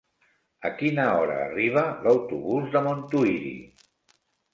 A quina hora arriba l'autobús de Montuïri?